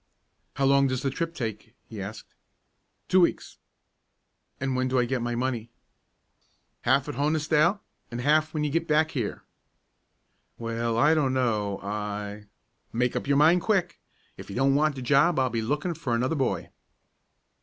"How long does the trip take?" he asked. "Two weeks." "An' when do I get my money?" "Half at Honesdale, an' half when you git back here." "Well, I don't know; I " "Make up your mind quick. If you don't want the job, I'll be lookin' for another boy."